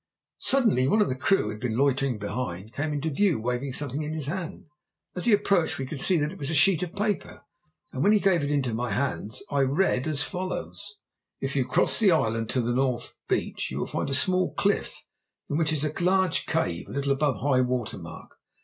Suddenly one of the crew, who had been loitering behind, came into view waving something in his hand. As he approached we could see that it was a sheet of paper, and when he gave it into my hands I read as follows: _"If you cross the island to the north beach you will find a small cliff in which is a large cave, a little above high water mark.